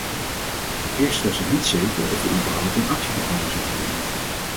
Eerst was het niet zeker of er überhaupt een actieprogramma zou komen.